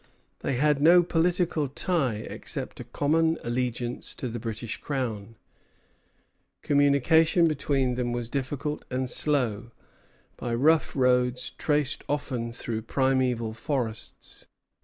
They had no political tie except a common allegiance to the British Crown. Communication between them was difficult and slow, by rough roads traced often through primeval forests.